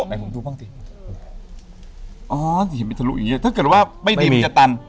ไหนผมดูบ้างสิอ๋อหินไปทะลุอย่างงี้ถ้าเกิดว่าไม่ดินจะตัน